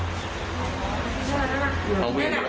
รถแท็กซี่ล่ะเดี๋ยวรอ